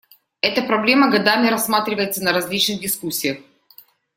Эта проблема годами рассматривается на различных дискуссиях.